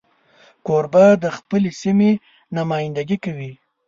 کوربه د خپلې سیمې نمایندګي کوي.